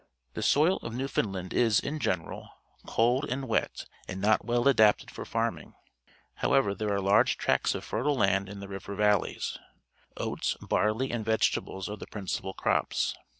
The soil of Newfoundland is, in general, cold and wet and not well adapted for farming. However, there are large tracts of fertile land in the river valleys. 0«<^g, barley, and vegetables, are the principal crops.